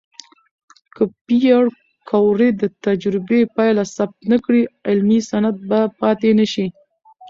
که پېیر کوري د تجربې پایله ثبت نه کړي، علمي سند به پاتې نشي.